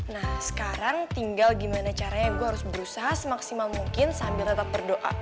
nah sekarang tinggal gimana caranya gue harus berusaha semaksimal mungkin sambil tetap berdoa